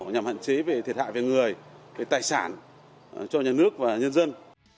nhằm hạn chế về thiệt hại về người về tài sản cho nhà nước và nhân dân